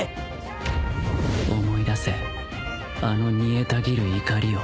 「思い出せあの煮えたぎる怒りを」